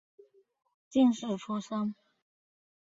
进士出身。